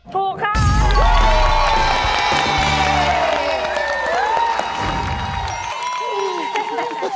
ถูกครับ